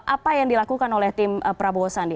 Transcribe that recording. apa yang dilakukan oleh tim prabowo sandi